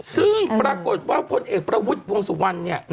ซึ่งปรากฏว่าพลเอกประวิทย์วงสุวรรณเนี่ย